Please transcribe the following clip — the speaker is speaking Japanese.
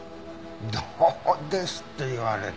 「どうです？」って言われても。